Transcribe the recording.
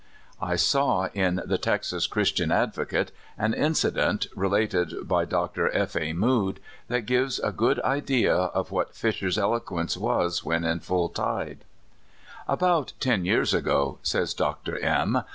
I saw in the Texas Christian Advocate an inci dent, related by Dr. F. A. Mood, that gives a good idea of what Fisher's eloquence was when in full tide : "About ten years ago," says Dr. M.